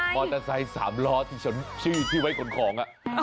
อเตอร์ไซค์๓ล้อที่ฉันชื่อที่ไว้ขนของ